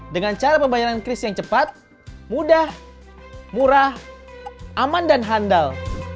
dengan cara pembayaran cris yang cepat mudah murah aman dan handal